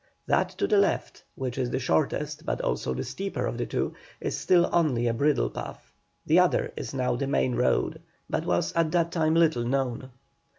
That to the left, which is the shortest but also the steeper of the two, is still only a bridle path; the other is now the main road, but was at that time little known.